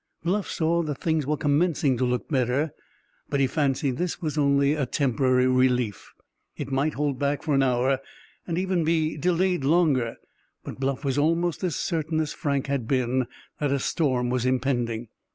Bluff saw that things were commencing to look better; but he fancied this was only a temporary relief. It might hold back for an hour, and even be delayed longer; but Bluff was almost as certain as Frank had been that a storm was impending.